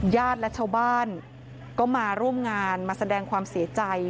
ญาติและชาวบ้านก็มาร่วมงานมาแสดงความเสียใจ